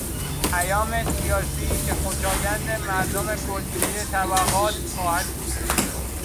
پیام سیاسی که خوشایند مردم کلیهی طبقات خواهد بود